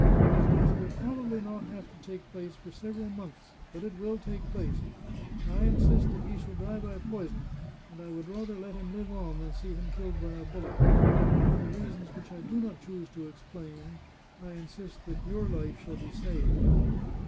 His death will probably not have to take place for several months, but it will take place ! I insist that he shall die by poison, and I would rather let him live on than see him killed by a bullet. For reasons which I do not choose to explain, I insist that your life shall be saved."